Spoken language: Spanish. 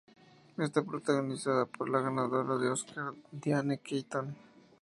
Está protagonizada por la ganadora de un Óscar, Diane Keaton.